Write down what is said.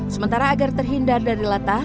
sementara agar terhindar dari latah